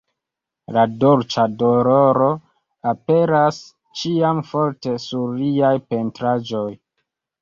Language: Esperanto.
La "dolĉa doloro" aperas ĉiam forte sur liaj pentraĵoj.